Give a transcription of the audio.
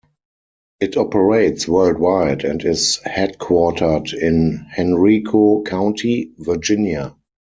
It operates worldwide and is headquartered in Henrico County, Virginia.